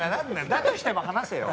だとしても離せよ！